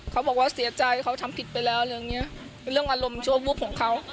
เขาบอกว่าเสียใจเขาทำผิดไปแล้วเรื่องนี้เป็นเรื่องอารมณ์ชั่ววูบของเขา